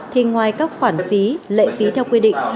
thì ngoài các khoản phí lệ phí theo quy định